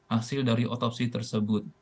hasil dari otopsi tersebut